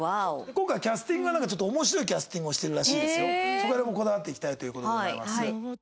そこら辺もこだわっていきたいという事でございます。